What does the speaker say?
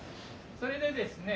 それでですね